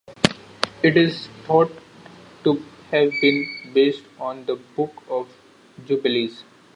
It is thought to have been based on the Book of Jubilees.